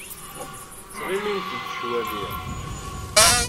Ttɣimint-d cwami.